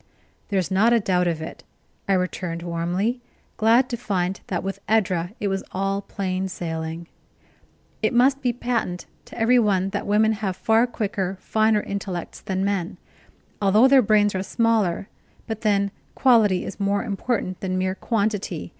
"There's not a doubt of it!" I returned warmly, glad to find that with Edra it was all plain sailing. "It must be patent to every one that women have far quicker, finer intellects than men, although their brains are smaller; but then quality is more important than mere quantity.